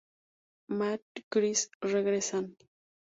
Mat y Chris regresan.